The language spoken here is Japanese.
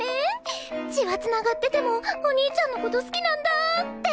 血は繋がっててもお兄ちゃんの事好きなんだって。